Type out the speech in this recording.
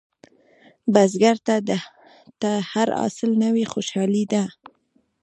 بزګر ته هر حاصل نوې خوشالي ده